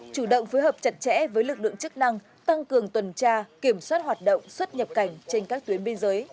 chủ động phối hợp chặt chẽ với lực lượng chức năng tăng cường tuần tra kiểm soát hoạt động xuất nhập cảnh trên các tuyến biên giới